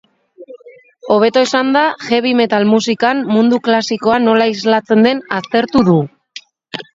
Hobeto esanda, heavy metal musikan mundu klasikoa nola islatzen den aztertu du.